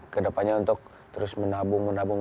ke depannya untuk terus menabung menabung